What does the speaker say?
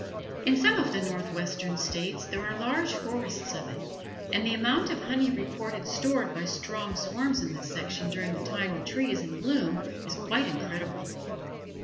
In some of the Northwestern States there are large forests of it, and the amount of honey reported stored by strong swarms in this section during the time the tree is in bloom is quite incredible.